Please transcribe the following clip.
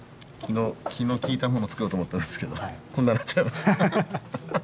気の利いたもの作ろうと思ったんですけどこんななっちゃいました。